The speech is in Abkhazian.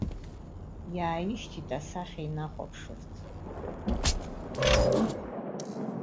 Иааишьҭит исахьа инахәаԥшырц.